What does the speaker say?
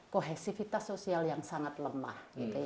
kohesivitas sosial yang sangat lemah